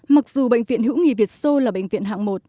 mặc dù bệnh viện hữu nghị việt sô là bệnh viện hạng một